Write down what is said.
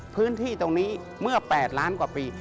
พื้นที่ตรงนี้เมื่อ๘ล้านกว่าปี